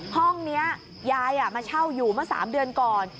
ห้องนี้ยายมาเช่าอยู่เมื่อ๓เดือนก่อน